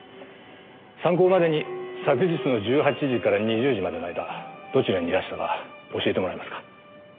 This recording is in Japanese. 参考までに昨日の１８時から２０時までの間どちらにいらしたか教えてもらえますか？